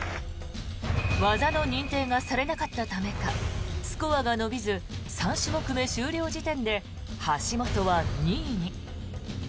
技の認定がされなかったためかスコアが伸びず３種目目終了時点で橋本は２位に。